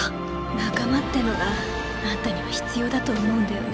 “仲間”ってのがあんたには必要だと思うんだよね。！